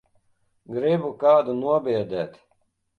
Gribu kādu nobiedēt.